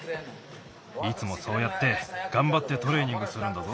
いつもそうやってがんばってトレーニングするんだぞ。